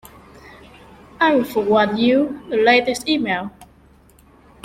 I'll forward you the latest email.